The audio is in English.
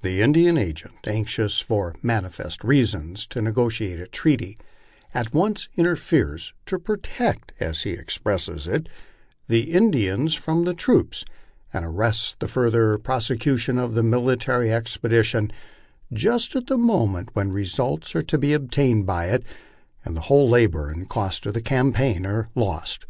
The Indian agent, anxious, for manifest reasons, to negotiate a treaty, at once inter feres " to protect " (as he expresses it) the Indians from the troops, and arrests the further prose cution of the military expedition just at the moment when results are to be obtained by it, and the whole labor and cost of the campaign are lost.